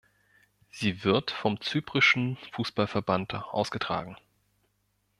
Sie wird vom zyprischen Fußballverband ausgetragen.